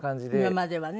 今まではね。